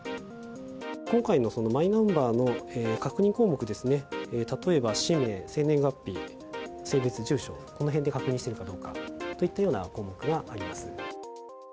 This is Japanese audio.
今回のマイナンバーの確認項目ですね、例えば氏名、生年月日、性別、住所、このへんで確認しているかどうかといったような項目があります。